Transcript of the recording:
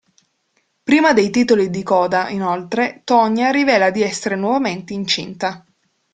Prima dei titoli di coda, inoltre, Tonya rivela di essere nuovamente incinta.